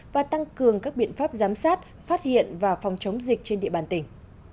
và tăng cường các biện pháp giám sát phát hiện và phòng chống dịch trên địa bàn tỉnh